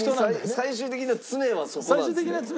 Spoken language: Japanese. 最終的な詰めはそこなんですね。